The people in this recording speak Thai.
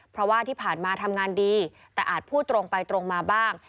เพราะว่าที่ผ่านมาทำงานดีแต่อาจพูดตรงไปตรงมาบ้าง